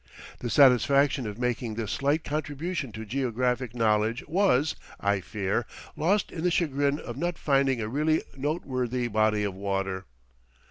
The satisfaction of making this slight contribution to geographic knowledge was, I fear, lost in the chagrin of not finding a really noteworthy body of water.